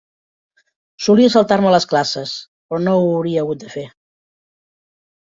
Solia saltar-me les classes, però no ho hauria hagut de fer.